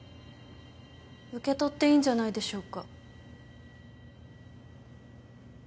受け取っていいんじゃないでしょうか？